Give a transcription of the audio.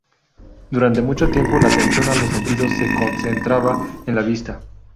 Durante mucho tiempo la atención a los sentidos se concentraba en la vista.